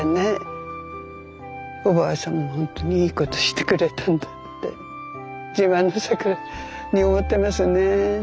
おばあさんは本当にいいことしてくれたんだって自慢の桜に思ってますね。